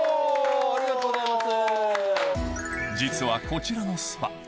ありがとうございます。